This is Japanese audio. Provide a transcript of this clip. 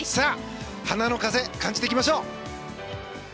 花の風、感じていきましょう。